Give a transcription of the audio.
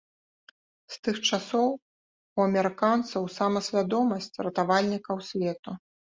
З тых часоў у амерыканцаў самасвядомасць ратавальнікаў свету.